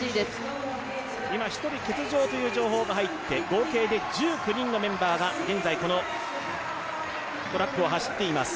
今１人欠場という情報が入って合計で１９人のメンバーが現在このトラックを走っています。